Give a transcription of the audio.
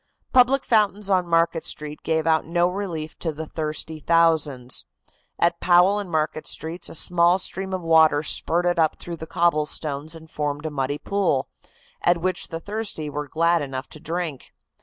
Public fountains on Market Street gave out no relief to the thirsty thousands. At Powell and Market Streets a small stream of water spurted up through the cobblestones and formed a muddy pool, at which the thirsty were glad enough to drink.